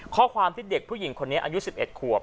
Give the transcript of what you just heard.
ข้อความที่เด็กผู้หญิงคนนี้อายุ๑๑ขวบ